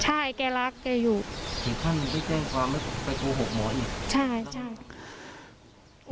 ใช่แกรักแกอยู่หรือท่านไปแจ้งความไปโกหกหมออีกใช่ใช่